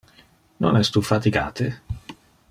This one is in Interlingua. Non es tu fatigate?